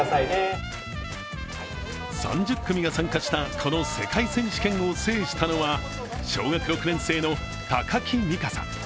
３０組が参加した、この世界選手権を制したのは小学６年生の高木美嘉さん。